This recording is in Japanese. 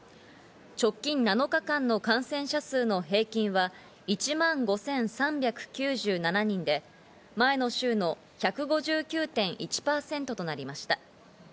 直近７日間の感染者数の平均は１万５３９７人で、前の週の１５９．１％となりました。